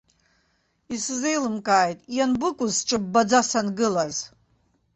Исзеилымкааит, ианбыкәыз сҿыббаӡа сангылаз?!